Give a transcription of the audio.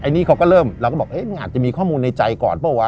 อันนี้เขาก็เริ่มเราก็บอกมันอาจจะมีข้อมูลในใจก่อนเปล่าวะ